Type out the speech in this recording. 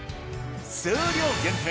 数量限定